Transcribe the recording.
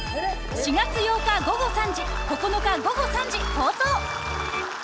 ４月８日午後３時、９日午後３時放送。